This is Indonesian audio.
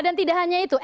dan tidak hanya itu